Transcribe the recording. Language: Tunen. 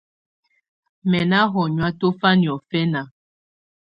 Mɛ̀ nà hɔnyɔ̀á tɔ̀fa nyɔ̀fɛna.